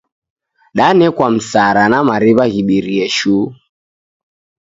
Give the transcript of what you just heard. Danekwa msara na mariw’a ghibirie shuu!